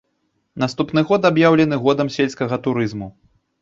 Наступны год аб'яўлены годам сельскага турызму.